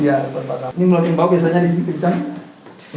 ini mulut yang bau biasanya disini kencang